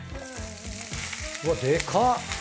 うわっでかっ！